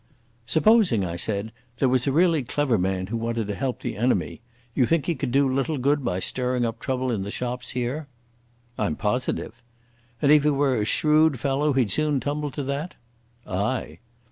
"Supposing," I said, "there was a really clever man who wanted to help the enemy. You think he could do little good by stirring up trouble in the shops here?" "I'm positive." "And if he were a shrewd fellow, he'd soon tumble to that?" "Ay."